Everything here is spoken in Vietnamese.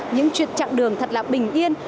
những chuyện chặng đường thật là bình yên